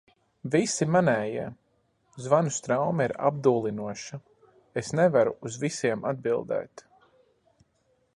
Visi manējie. Zvanu straume ir apdullinoša, es nevaru uz visiem atbildēt.